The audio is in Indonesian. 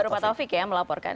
baru patofik yang melaporkan